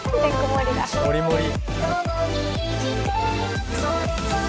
もりもり。